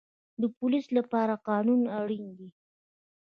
د پولیس لپاره قانون اړین دی